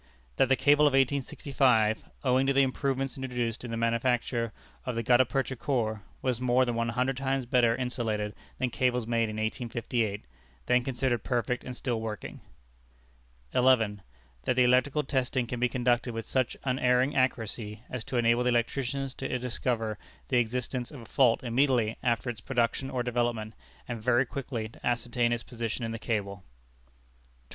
That the cable of 1865, owing to the improvements introduced into the manufacture of the gutta percha core, was more than one hundred times better insulated than cables made in 1858, then considered perfect and still working. 11. That the electrical testing can be conducted with such unerring accuracy as to enable the electricians to discover the existence of a fault immediately after its production or development, and very quickly to ascertain its position in the cable. 12.